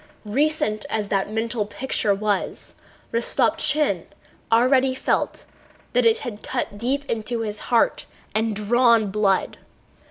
Recent as that mental picture was, Rostopchín already felt that it had cut deep into his heart and drawn blood.